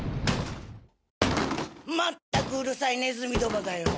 まったくうるさいネズミどもだよ！